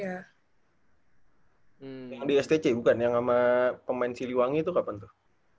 yang di stc bukan yang sama pemain siliwangi itu kapan tuh